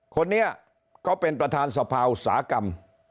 คนนี้ก็เป็นประธานสภาอุตสาหกรรม